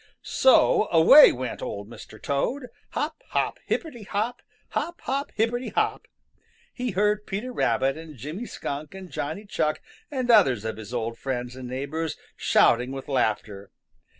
So away went Old Mr. Toad, hop, hop, hipperty hop, hop, hop, hipperty hop! He heard Peter Rabbit and Jimmy Skunk and Johnny Chuck and others of his old friends and neighbors shouting with laughter.